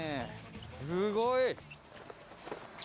すごい！